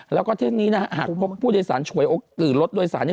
แล้วก็ทีนี้นะฮะหากพวกผู้โดยสารช่วยหรือรถโดยสารเนี้ย